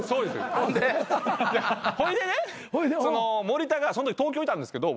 ほいでねそのとき東京いたんですけど